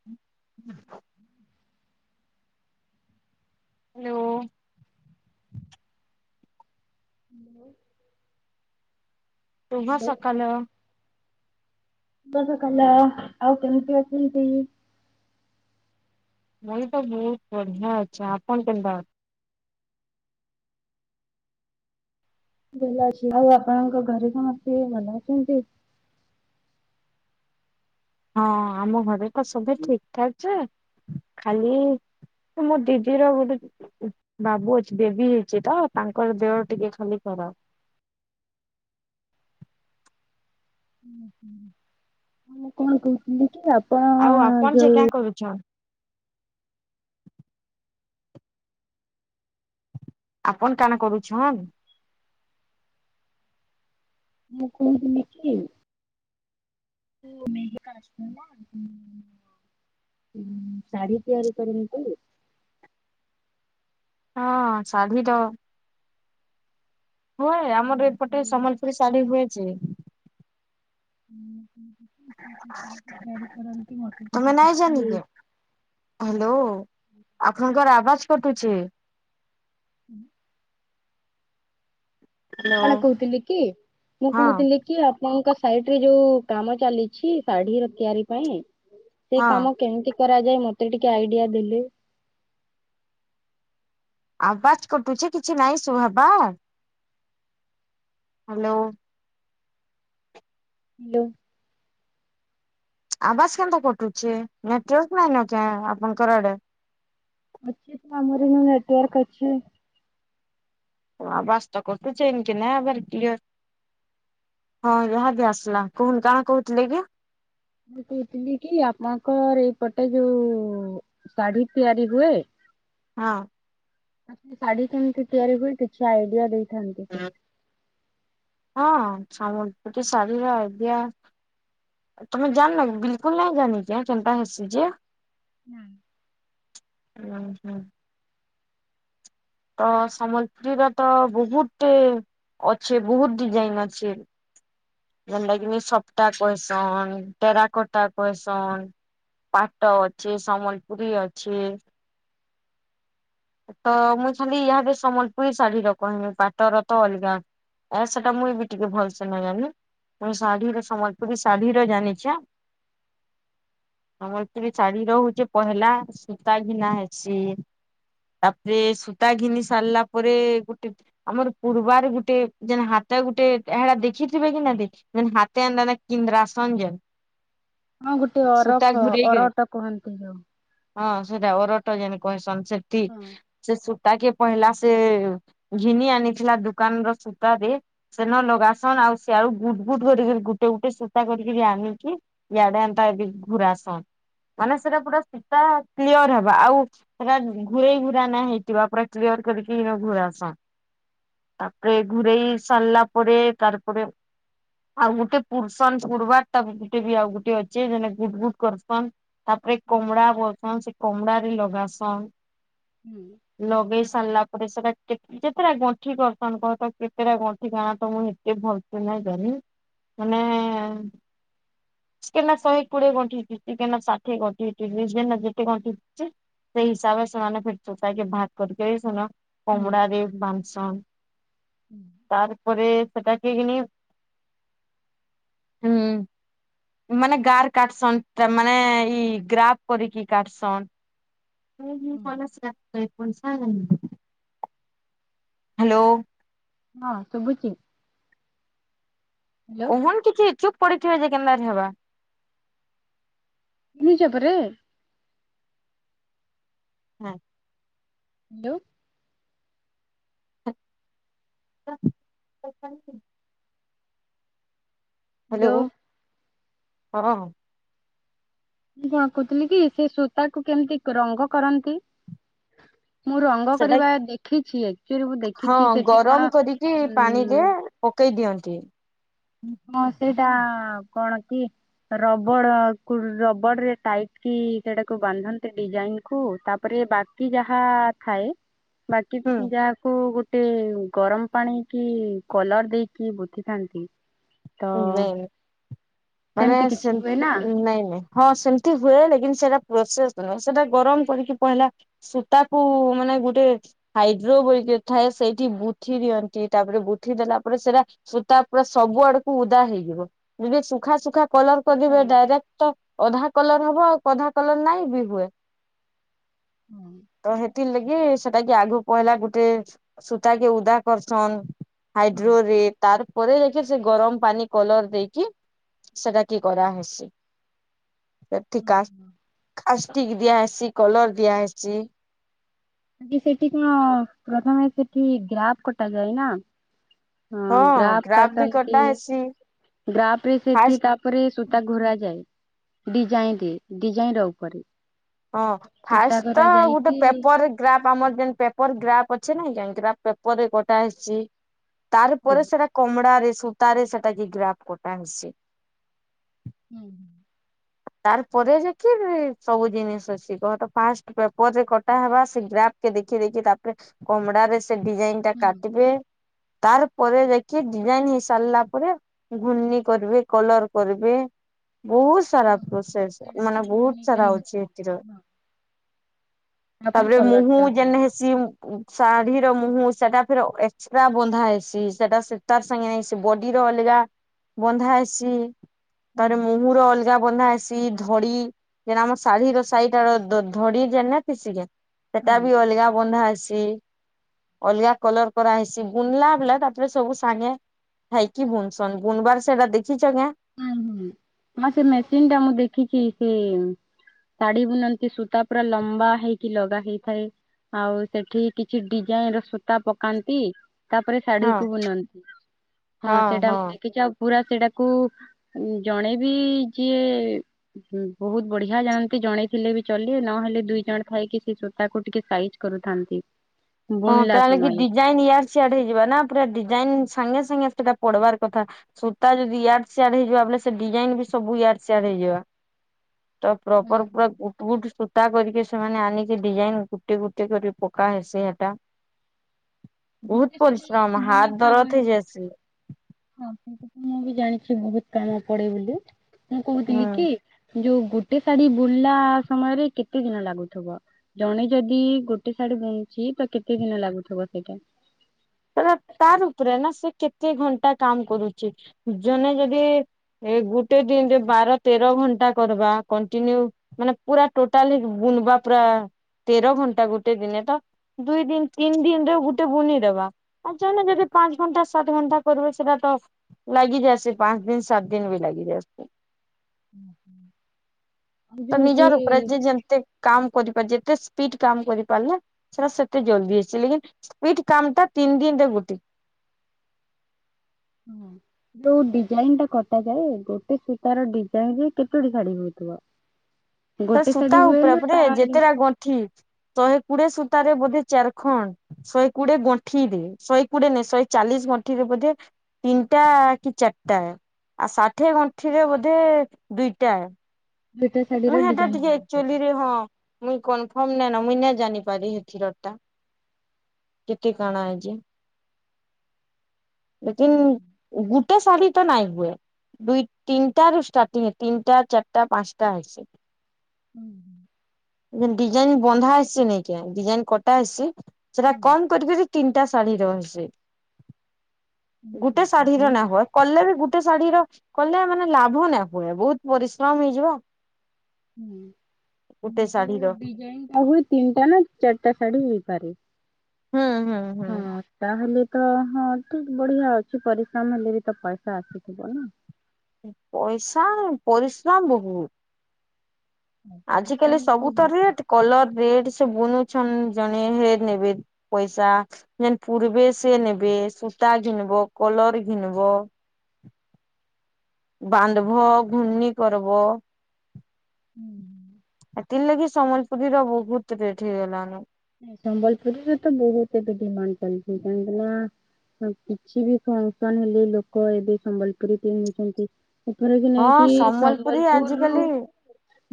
[unintelligible] Hello. [unintelligible] ସୁଭ hello ସକାଲ। ଶୁଭ ସକାଳ ଆଉ କେମିତି ଅଛନ୍ତି? ମୁଇଁ ତ ବହୁତ ବଢିଆ ଅଛି ଆପଣ କେନ୍ତା ଅଛନ୍ତି? ଭଲ ଅଛି ଆଉ ଆପଣଙ୍କ ଘରେ ସମସ୍ତେ ଭଲ ଅଛନ୍ତି? ହଁ ଆମ ଘରେ ତ ସବୁ ଠିକ୍ ଠାକ୍ ଯେ ଖାଲି ମୋ ଦିଦିର ଗୋଟେ ବାବୁ ଅଛି ବେବୀ ହେଇଚି ତ ତାଙ୍କର ଦେହ ଟିକେ ଖାଲି ଖରାପ। ମୁଁ କଣ କହୁଥିଲି କି ଆଉ ଆଉ ଆପଣ ଯେ କାଁ କରୁଛନ୍? ଆପଣ କାଣା କରୁଛନ୍? ମୁଁ କହୁଥିଲି କି [unintelligible] ହୁଁ ଶାଢୀ ତିଆରି କରିମିତି ହଁ ଶାଢ଼ୀ ତ ହୁଏ ଆମର ଏପଟେ ସମ୍ବଲପୁରୀ ଶାଢୀ ହୁଏ ଜେ। [unintelligible] ତିଆରି କରନ୍ତି ମତେ [unintelligible] ହାଲୋ ଆପଣଙ୍କର ଆବାଜ କଟୁଛେ। [unintelligible] ମୁଁ ହ୍ୟାଲୋ କାଣା କହୁଥିଲି କି! ମୁଁ ହଁ କହୁଥିଲି କି ଆପଣଙ୍କ ସାଇଟ ରେ ଯୋଉ କାମ ଚାଲିଛି ଶାଢୀ ର ତିଆରି ପାଇଁ ସେ ହଁ କାମ କେମିତି କରାଯାଏ ମତେ ଟିକେ ଆଇଡିଆ ଦେଲେ। ଆବାଜ କଟୁଛି କିଛି ନାଇଁ ସୁୁଭାବପା। ହାଲୋ! ହାଲୋ! ଆବାଜ୍‌ କେନ୍ତା କଟୁଛେ ନେଟୱର୍କ ନାହିଁ ନା କେଁ ଆପଣଙ୍କର ଆଡେ? ଏ ଟି ଆମର ନେଟୱର୍କ ଅଛି। [unintelligible] ଆବାଜ ତ କଟୁଛେ [unintelligible] କ୍ଳିଅର। ହଁ ଯାହା ବି ଆସିଲା କହନ୍ତୁ କଣ କହୁଥିଲେ କି? ମୁଁ କହୁଥିଲି କି ଆପଙ୍କର ଏଇପଟେ ଯୋଉ ଶାଢୀ ତିଆରି ହୁଏ। ହଁ। ଶାଢୀ କେମିତି ତିଆରି ହୁଏ କିଛି ଆଇଡିଆ ଦେଇଥାନ୍ତି କେମିତି। ହଁ ସମ୍ବଲପୁରୀ ଶାଢୀର ଆଇଡିଆ। ତୁମେ ଜାଣିନା କି ବିଲକୁଲ୍ ନାଇଁ ଜାଣି ଏନ୍ତି କେନ୍ତା ହେସି ଯେ। ହୁଁ। ହୁଁ ହୁଁ। ତ ସମ୍ବଲପୁରୀର ତ ବହୁତ ଅଛି ବହୁତ ଡିଜାଇନ୍ ଅଛି। ଯେନ୍ତା କିନି ସପ୍ତା କଏସନ୍ ଟେରା କୋଟା କଏସନ୍। ପାଟ ଅଛି, ସମ୍ବଲପୁରୀ ଅଛି। ତ ମୁଁ ଖାଲି ୟା ଭାବେ ସମ୍ବଲପୁରୀ ଶାଢୀର କହିବି ପାଟର ତ ଅଲଗା। ଏ ସେଟା ମୁଁ ବି ଟିକେ ଭଲସେ ନାଁ ଜାନି। ମୁଁ ଶାଢ଼ୀର ସମ୍ବଲପୁରୀ ଶାଢ଼ୀର ଜାଣିଛେ। ସମ୍ବଲପୁରୀ ଶାଢ଼ୀ ର ହଉଚି ପହେଲା ସୂତା ଘିନା ହେଇଛି। ତାପରେ ସୂତା ଘିନି ସାରିଲା ପରେ ଗୋଟେ ଆମର ପୂର୍ବାର ଗୁଟେ ଯେ ହାତ ଗୁଟେ ଏଡା ଦେଖିଥିବେ କି ନା ଦେଖି [unintelligible] ହଁ ଗୋଟେ ଅରଖ ଘୁରେଇକିରି ଅରଟ କୁହନ୍ତି ଯୋଉ। ହଁ ସେଟା ଓରଟ ଯେନ୍ କହିସନ୍ ସେଠି ହଁ ସେ ସୂତା କି ପୈଲ୍ଲା ସେ ଘିନି ଆଣିଥିଲା ଦୋକାନ ର ସୂତାରେ। ସେନ ଲଗାସନ୍ ଆଉ ସିଆଳୁ ବୁଟ ବୁଟ କରିକି ଗୁଟେ ଗୁଟେ ସୂତା କରିକିରି ଆଣିକି? ଇଆଡେ ଆନତା ବି ଘୁରାଇ ସନ୍ ମାନେ ସେଟା ପୁରା ସୂତା କ୍ଲିଅର୍ ହେବ ଆଉ ସେଟା ଘୁରେଇ ଘୁରାନା ହେଇଥିବା ପୁରା କ୍ଲିୟର୍ କରିକି ଘୁରା ସନ୍। ତାପରେ ଘୁରେଇ ସାରିଲା ପରେ ତାପରେ ଆଉ ଗୁଟେ ପୁରସନ୍ କୁରବାର ତା ଗୁଟେ ବି ଆଉ ଗୋଟେ ଅଛେ ଯେ ଗୁଟ ଗୁଟ କରୁସନ୍। ତାପରେ କମଳା ବସନ୍ ସେ କମଳା ରେ ଲଗାସନ୍। ହୁଁ। ଲଗେଇ ସାରିଲା ପରେ ସେଟା ଟିପ ଯେତେଟା ଗଣ୍ଠି କରସନ୍ କହତ କେତେଟା ଗଣ୍ଠି କଣ ତ ମୁଁ ଏତେ ଭଲସେ ନାଇଁ ଜାନି। ମାନେ କିନା ଶହେ କୋଡିଏ ଗଣ୍ଠି ହେଇଛି କିଏନା ଷାଠିଏ ଗଣ୍ଠି ହେଇଛି ଯେତେ ଗଣ୍ଠି ହେଛି। ସେହି ହିସାବେସ୍ ହୁଁ [unintelligible] ହୁଁ। ତାପରେ ସେଟା କେ ଗିନିବ୍ ହୁଁ ମାନେ ଗାଁର୍ କାଟସନ୍ ଟ ମାନେ ଏଇ ଗ୍ରାଫ କରିକି କାଟସନ୍। [unintelligible] ହ୍ୟାଲୋ। ହଁ ଶୁଭୁଚି। [unintelligible] ନିଜ ଉପରେ ହଁ। ହ୍ୟାଲୋ। ହ୍ୟାଲୋ ହ୍ୟାଲୋ ହଁ। କିଅଁ କହୁଥିଲି କି ସେ ସୂତା କୁ କେମିତି ରଙ୍ଗ କରନ୍ତି। ମୁଁ ରଙ୍ଗ ସେଟା କରିବା ଦେଖିଛି ଆକ୍ଚୁଆଲି୍ ମୁଁ ହଁ ଦେଖିଛି ସେଠି କଣ ଗରମ କରିକି ଉ ପାଣିରେ ପକେଇ ଦିଅନ୍ତି। ହଁ ସେଇଟା କଣ କି? ରବଡକୁ, ରବଡ ରେ ଟାଇଟ କି ସେଟାକୁ ବାନ୍ଧନ୍ତି ଡିଜାଇନ୍ କୁ ତାପରେ ବା ବାକି ଯାହା ଥାଏ ବାକି ହୁଁ ଯାହାକୁ ଗ ସେ ଗରମ ପାଣି କି କଲର୍ ଦେଇକି ଗୁତିଥାନ୍ତି। ନାଇଁ ମାନେ ସେମିତି ସେ କିଛି ହୁଏ ନା ନାଇଁ ନାଇଁ। ହଁ ସେମିତି ହୁଏ ଲିକିନ୍ ସେଇଟା ପ୍ରୋସେସ୍ ନୁହେଁ ସେଟା ଗରମ କରିକି ପହେଲା ସେଟାକୁ ମାନେ ଗୋଟେ ହାଇଡ୍ରୋ ବୋଲିକି ଥାଏ ସେଇଠି ବୁଥିି ଦିଅନ୍ତି ତାପରେ ବୁଥିି ଦେଲା ପରେ ସେଇଟା ସୂତା ପୁରା ସବୁ ଆଡକୁ ଉଦା ହେଇଯିବ ଯଦି ସୁଖା ସୁୁଖା କଲର ହଁ କରିବେ ଡାଇରେକ୍ଟ ତ ଅଧା କଲର ହବ ଆଉ ଅଧା କଲର ନାଇଁ ଏ ବି ହୁଏ। ହୁଁ [inaudible] ତ ହେଥି ଲାଗି ସେଟା କି ଆଗକୁ ପହିଲା ଗୋଟେ ସୂତା କି ଉଦା କରସନ। ହଁ। ହାଇଡ୍ରୋରେଟ। ତାର ପରେ ଦେଖି ସେ ଗରମ ପାନି କଲର ଦେଇକି ସେଟା କି କରାହସି। [inaudible] ସେଠିକା କାକ୍ଷ୍ଟିକ ଦିଆ ହେଇଛି କଲର ଦିଆ ହେଇଛି। ସେଠି କଣ ପ୍ରଥମେ ସେଠି ଗ୍ରାପ କଟା ଯାଏ ନା। ହଁ ଗ୍ରାଫ ବି କାଟନ୍ତି କଟା ହେସି ଗ୍ରାଫରେ ସେଟି ଫାଷ୍ଟ ତା ଉପରେ ସୂତା ଘୁରା ଯାଏ ଡିଜାଇନ ଡିଜାଇନ ର ଉପରେ। ହଁ ସୂତା ଫାଷ୍ଟ ତ ଘୋରା ଗୋଟେ ଯାଇକି ପେପର ଗ୍ରାପ୍ ଆମର ଯେମତି ପେପର ଗ୍ରାଫ୍ ଅଛି ନାହିଁ କାହିଁକ ଗ୍ରାପ ପେପରରେ କଟାହେଇଛି। ତାର ହଁ ପରେ ସେଟା କମଡାରେ ସୂତାରେ ସେଟା କି ଗ୍ରାଫ କଟା ହୋଇଛି। ହୁଁ [inaudible] ତାର ପରେ ଯେ କି ସବୁ ଜିନିଷ ଅଛି କହତ ଫାଷ୍ଟ ପେପର ରେ କଟା ହେବା ସେ ଗ୍ରା ଦେଖି ଦେଖି ତାପରେ କମଡାରେ ସେ ଡିଜାଇନ ଟା ହୁଁ କାଟିବ। ତାର ପରେ ଯାଇକି ଡିଜାଇନ ହେଇସାରିଲା ପରେ ଘୁର୍ଣ୍ଣ କରିବେ କଲର କରିବେ ବହୁତ ତାରା ଓହୋ ପ୍ରସେସ ସେଇଟା କି ମାନେ ବହୁତ ଘୁର୍ଣ୍ଣି ସାରା କରିବି ଅଛି ଏଥିର। ହଁ ତାପରେ କଲର ମୁହୁ ଟା ହୁଏ। ଯେନ ସି ଶାଢୀର ମୁହଁ ସେଟା ଫିର ଏକ୍ସଟ୍ରା ବନ୍ଧା ହେଇଛି ସେଟା ତାର ସାଙ୍ଗେ ନେଇସି ବଡିର ଅଲଗା ବନ୍ଧା ହେଇସି ହଁ ତାର ମୁହୁ ର ଅଲଗା ଜଗା ବନ୍ଧା ଆସି ଧଡି ଯେ ଆମ ଶାଢ଼ୀ ର ସାହିଟା ର ଧଡି ଯେନେତି ସେ ସେଟା ବି ହୁଁ ଅଲଗା ବନ୍ଧା ଅଛି। ଅଲଗା କଲର କରା ହେଇଛି ବୁନଲା ବୁଲା ତାପରେ ସବୁ ସାଙ୍ଗେ [unintelligible] ହଁ ହୁଁ ମ ସେ ମେସିନ୍ ଟା ମୁଁ ଦେଖିଛି ସେ ଶାଢୀ ବୁନନ୍ତି ସୂତା ପୁରା ଲମ୍ବା ହେଇକି ଲଗା ହେଇଥାଏ। ଆଉ ସେଠି କିଛି ଡିଜାଇନ ର ସୂତା ପକାନ୍ତି। ତାପରେ ହଁ ଶାଢୀକୁ ବୁନନ୍ତି ହଁ ସେଇଟା ମୁଁ ଦେଖିଛି ଆଉ ପୁରା ସେଟାକୁ ଜଣେ ବି ଯିଏ ହଁ ବହୁତ ବଢିଆ ଜାଣନ୍ତି ଜଣେଇଥିଲେ ବି ଚଲେ ନହେଲେ ଦୁଇ ଜଣ ଥାଇକି ସେ ସୂତା କୁ ଟିକେ ସାଇ କରୁଥାନ୍ତି। ହଁ ବୁଣିଲା କାଲେ କି ସମୟରେ ଡିଜାଇନ ଇଆଡ ସିଆଡ ହେଇଯିବା ନା ପୁରା ଡିଜାଇନ ସାଙ୍ଗେ ସାଙ୍ଗେ ସେଟା ପଡବାର କଥା। ସୂତା ଯଦି ଇଆଡ଼୍ ସିଆଡ଼୍ ହେଇଯିବା ବଲେ ସେ ଡିଜାଇନ୍ ବି ସବୁ ଇଆଡ଼୍ ସିଆଡ଼୍ ହେଇଯିବା। ତ ପ୍ରୋପର ପୁରା ବୁଟ ସୂତା କରିକି ସେମାନେ ଆନିକି ଡିଜାଇନ ଗୁଟେ ଗୁଟେ କରି ପକା ହେସି। ବହୁତ ପରିଶ୍ରମ ହାତ ଦରଦ ହେଇ ଯାଇସି। ହଁ ମୁଁ ବି ଜାଣିଛି ବହୁତ କାମ ପଡ଼େ ବୋଲି। ମୁଁ ହୁଁ କହୁଥିଲି କି ଯୋଉ ଗୋଟେ ଶାଢ଼ୀ ବୁଲିଲା ସମୟରେ କେତେ ଦିନ ଲାଗୁଥିବ? ଜଣେ ଯଦି ଗୋଟେ ଶାଢ଼ୀ ବୁଣୁଛି, ତ କେତେ ଦିନ ଲାଗୁଥିବ ସେଇଟା? ତ ତାର ଉପରେ ନା ସେ କେତେ ଘଣ୍ଟା କାମ କରୁଛି? ଜଣେ ଯଦି ଏ ଗୁଟେ ଦିନରେ ବାର ତେର ଘଣ୍ଟା କରିବା କଣ୍ଟିନ୍ୟୁ। ମାନେ ପୁରା ଟୋଟାଲି ବୁଣବା ପୁରା ତେର ଘଣ୍ଟା ଗୋଟେ ଦିନେ ତ ଦୁଇ ଦିନ ତିନି ଦିନରେ ଗୋଟେ ବୁନିଦବା। ଆଉ ଜନେ ଯଦି ପାଞ୍ଚ ଘଣ୍ଟା ସାତ ଘଣ୍ଟା କରିବ ସେଟ ତ ଲାଗିଯାଇସି ପାଞ୍ଚ ଦିନ ସାତ ଦିନ ବି ଲାଗିଯାଇସି। [inaudible] ଆଉ ତ ଯୋଉ ସେ ନିଜର ଉପରେ ଯେ ଯେମତି କାମ କରିପାର ଯେତେ ସ୍ପିଡ କାମ କରିପାରଲା ସେଟା ସେତେ ଜଲଦି ହେଇସି। ଲେକିନ୍ ସ୍ପିଡ୍ କାମ ଟା ତିନି ଦିନ ରେ ଗୁଟେ। ହୁଁ। ଯୋଉ ଡିଜାଇନ ଟା କଟା ଯାଏ, ଗୋଟେ ସୂତାର ଡିଜାଇନ ରେ କେତୋଟି ଶାଢ଼ୀ ହଉଥିବ? [inaudible] ତ ସୂତା ଶାଢୀ ହୁଏ ଉପରେ ନା ତା ପରେ ଯେତେଟା ଗଣ୍ଠି। ଶହେ କୋଡି଼ଏ ସୂତା ରେ ବୋଧେ ଚାର ଖଣ୍ଡ। ଶହେ କୋଡି଼ଏ ଗଣ୍ଠିରେ, ଶହେ କୋଡି଼ଏ ନେଇ ଶହେ ଚାଳିଶ ଗଣ୍ଠିରେ ବୋଧେ ତିନିଟା କି ଚାରିଟା। ଆଉ ଷାଠିଏ ଗଣ୍ଠିରେ ବୋଧେ ଦୁଇଟା। ଦୁଇଟା ମୁଁ ଶାଢୀର ହେଟା ଡିଜାଇନ ଟିକେ ଆକ୍ଚୁଆଲିରେ ବନିପାରେ। ହଁ ମୁଇ କନପର୍ମ ନାଇନ। ମୁଇଁ ନେଇ ଜାନିପାରି ହେଥିର ଟା। କେତେ କାଣା ଆଇଚେ? [inaudible] ଲେକିନ୍ ଗଟେ ଶାଢ଼ୀ ତ ନାଇଁ ହୁଏ। ଦୁଇ ତିନଟାରୁ ଷ୍ଟାର୍ଟିଂ। ତିନଟା ଚାରଟା ପାଞ୍ଚଟା ହେସ। ଜେନ୍ ଡିଜାଇନ ବନ୍ଧା ହେଇସି ନାଇଁ କାଏଁ? ଡିଜାଇନ କଟା ହେଇସି। ସେଟା କମ୍ କରିକରି ତିନିଟା ଶାଢ଼ୀ ରହିସି। ଗୋଟେ ଶାଢ଼ୀର ନା ହୁଏ। କଲେ ବି ଗୋଟେ ଶାଢ଼ୀ ର କଲେ ମାନେ ଲାଭ ନାଇ ହୁଏ। ବହୁତ୍ ପରିଶ୍ରମ ହେଇଯିବ। ଗୁଟେ ଶାଢୀର ଡିଜାଇନ ହୁଏ ତିନିଟା ନା ଚାରିଟା ଶାଢ଼ୀ ହେଇପାରେ। ହୁଁ ହୁଁ ହୁଁ। ହଁ। ତାହେଲେ ତ ହଁ ଠିକ୍ ବଢି଼ଆ ଅଛି। ପରିଶ୍ରମ ହେଲେ ବି ତ ପଇସା ଆସିଥିବ ନା। ପଇସା ପରିଶ୍ରମ ବହୁତ୍। ଆଜ କାଲି ସବୁ ତ ରେଟ୍। କଲର ରେଟ୍ ସେ ବୁନୁଛନ୍ ଜଣେ ହେ ନେବେ। ପଇସା ଯେନ୍ ପୂର୍ବେ ସେ ନେବେ ସୂତା ଘିନବ କଲର ଘିନବ। ବାନ୍ଧବୋ ଘୁର୍ଣ୍ଣି କରବ। ହୁଁ। ଏଥିର୍ ଲାଗି ସମ୍ବଲପୁରୀର ବହୁତ ରେଟ୍ ହେଇଗଲାନ। ସମ୍ବଲପୁରୀର ତ ବହୁତ୍ ଏବେ ଡିମାଣ୍ଡ ଚାଲିଛି। କାହିଁକି ନା କିଛି ବି ଫଙ୍କସନ୍ ହେଲେ ଲୋକ ଏବେ ସମ୍ବଲପୁରୀ ପିନ୍ଧୁଛନ୍ତି। ଏପର କି ନାଇ ହଁ କି ସମ୍ବଲପୁରୀ ସମ୍ବଲପୁରରୁୁ ଆଜିକାଲି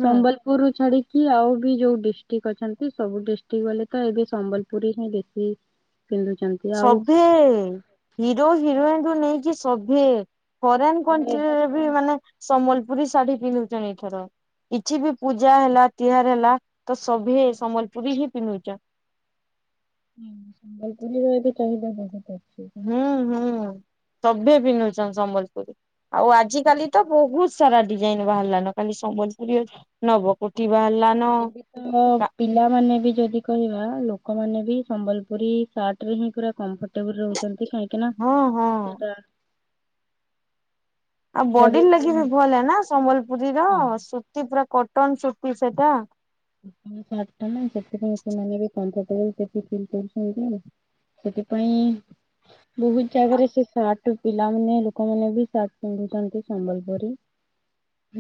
ହୁଁ ସମ୍ବଲପ ରୁ ଛାଡି଼କି ଆଉ ବି ଯୋଉ ଡିଷ୍ଟ୍ରିକ୍ ଅଛନ୍ତି ସବୁ ଡିଷ୍ଟ୍ରିକ ଗଲେ ତ ଏବେ ସମ୍ବଲପୁରୀ ହିଁ ବେଶୀ ପିନ୍ଧୁଛନ୍ତି ଆଉ ସବିଏ ହିରୋ ହିରୋଇନ୍ ରୁ ନେଇକି ସବିଏ ଫରେନ୍ କଣ୍ଟ୍ରିରେ ବି ମାନେ ସମ୍ବଲପୁରୀ ଶାଢୀ ପିନ୍ଧୁଛନ୍ତି ଏଥର କିଛି ବି ପୂଜା ହେଲା ତିହାର ହେଲା ତ ସଭିଏ ସମ୍ବଲପୁରୀ ହିଁ ପିନ୍ଧୁଛନ଼ ହୁଁ ସମ୍ବଲପୁରୀ ଏବେ ଚାହିଦା ବହୁତ୍ ଅଛି। ହୁଁ ହୁଁ ସଭିଏ ପିନ୍ଧୁଛନ୍ ସମ୍ବଲପୁରୀ ଆଉ ଆଜିକାଲି ତ ବହୁତ୍ ସାରା ଡିଜାଇନ୍ ବାହାରିଲାନ ଖାଲି ସମ୍ବଲପୁରୀ ଅଛି। ନବ କୋଟି ବାହାରିଲା। ଏବେ ତ ପିଲାମାନେ ବି ଯଦି କହିବା ଲୋକମାନେ ବି ସମ୍ବଲପୁରୀ ସାର୍ଟରେ ହିଁ ପୁରା କମ୍ଫର୍ଟ ରହୁଛନ୍ତି କାଇ ହଁ ହଁ ଆଉ ବଡି ର୍ ଲାଗି ବି ଭଲ ନା ସମ୍ବଲପୁରୀର ସୁତି ପୁରା କଟନ ସୁତି ସେଟା [unintelligible] ଟା ମାନ ସେଥିପାଇଁ ସେମାନେ ବି କମ୍ଫର୍ଟେବୁଲ ହେଇ ସେଥିପାଇଁ ବହୁତ୍ ଜାଗାରେ ସେ ସାର୍ଟ ପିଲାମାନେ ଲୋକମାନେ ବି ସାର୍ଟ ପିନ୍ଧୁଛନ୍ତି ସମ୍ବଲପୁରୀ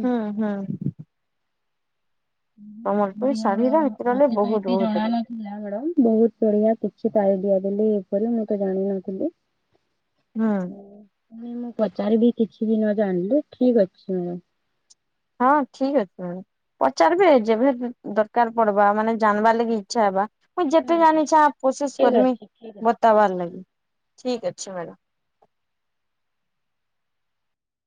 ହୁଁ ହୁଁ ସମ୍ବଲପୁରୀ ବଢିଆ ଶାଢୀର ହେଥିରଲେ ମୋତେ ତ ବହୁତ ଏତେ ବହୁତ ଯଣା ରେଟ। ନ ଥିଲା ହେଲା ମାଡ଼ମ ବହୁତ୍ ବଢିଆ କିଛି ପାଳି ଦିଆ ଦେଲି ଏପରି ମୁଁ ତ ଜାଣିନଥିଲି ହୁଁ ମୁଁ ପଚାରିବି କିଛି ବି ନ ଜାଣିଲି ଠିକ୍ ଅଛି ମ୍ୟାମ୍ ହଁ ଠିକ୍ ଅଛି ମ୍ୟାଡମ୍ ପଚାର୍ ବେ ଯେଭେ ଦରକାର ପଡବା ମାନେ ଜାଣିବା ଲାଗି ଇଚ୍ଛା ହେବା। ମୁଇଁ ଯେତେ ଜାଣିଛେ କୋଶିଶ୍ କରମି ବତାବାର୍ ଲାଗି ଠିକ୍ ଅଛେ ମ୍ୟାଡମ୍।